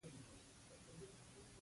پاتې وګړي په بېوزلۍ کې ژوند کوي.